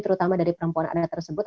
terutama dari perempuan anak tersebut